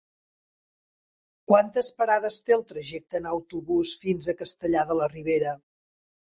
Quantes parades té el trajecte en autobús fins a Castellar de la Ribera?